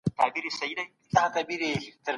د هغو د رضا پرته د هغوي د حق ځنډول جواز نلري.